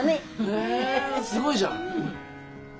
へえすごいじゃん！